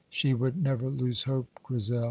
She would never lose hope, Grizel."